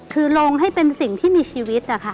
คือลงให้เป็นสิ่งที่มีชีวิตนะคะ